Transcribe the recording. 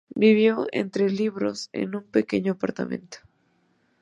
Vivió entre libros en un pequeño apartamento.